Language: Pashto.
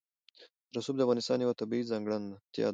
رسوب د افغانستان یوه طبیعي ځانګړتیا ده.